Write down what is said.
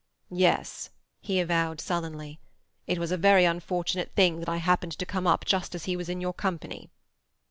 "Yes," he avowed sullenly. "It was a very unfortunate thing that I happened to come up just as he was in your company."